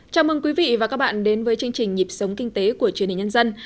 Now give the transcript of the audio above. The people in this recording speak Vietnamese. chào mừng quý vị và các bạn đến với chương trình nhịp sống kinh tế của truyền hình nhân dân